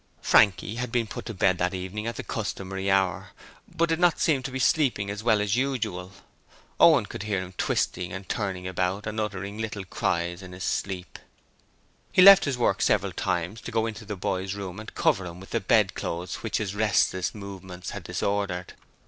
Frankie had been put to bed that evening at the customary hour, but did not seem to be sleeping as well as usual. Owen could hear him twisting and turning about and uttering little cries in his sleep. He left his work several times to go into the boy's room and cover him with the bedclothes which his restless movements had disordered.